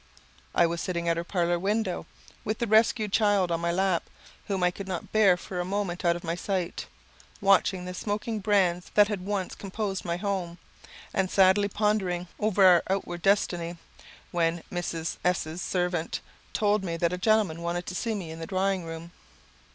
I was sitting at her parlour window, with the rescued child on my lap, whom I could not bear for a moment out of my sight, watching the smoking brands that had once composed my home, and sadly pondering over our untoward destiny, when Mrs. 's servant told me that a gentleman wanted to see me in the drawing room.